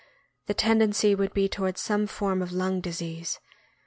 The tendency would be toward some form of lung disease.